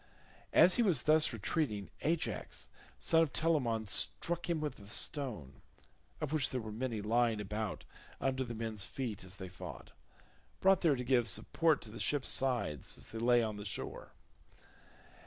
As he was thus retreating, Ajax son of Telamon, struck him with a stone, of which there were many lying about under the men's feet as they fought—brought there to give support to the ships' sides as they lay on the shore.